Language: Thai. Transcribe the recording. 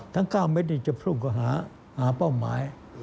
ทั้ง๙เม็ดจะพลุกกับหาหาเป้าหมาย